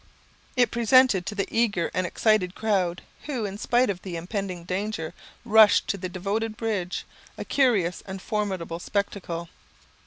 It presented to the eager and excited crowd, who, in spite of the impending danger rushed to the devoted bridge, a curious and formidable spectacle.